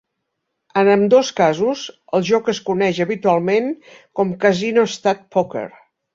En ambdós casos, el joc es coneix habitualment com "Casino Stud Poker".